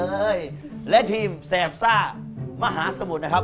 และทีมแซแซ่ส่ามาหาสมุทรนะครับ